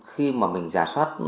khi mà mình giả soát